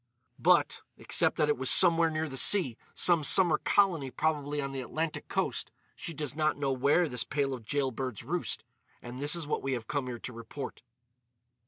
"But, except that it was somewhere near the sea—some summer colony probably on the Atlantic coast—she does not know where this pair of jailbirds roost. And this is what we have come here to report."